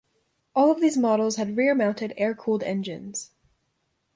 All of these models had rear mounted, air-cooled engines.